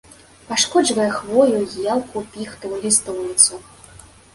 Пашкоджвае хвою, елку, піхту, лістоўніцу.